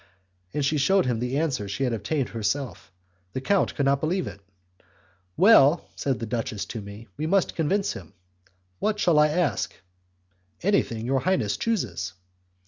And she shewed him the answer she had obtained herself. The count could not believe it. "Well," said the duchess to me, "we must convince him. What shall I ask?" "Anything your highness chooses."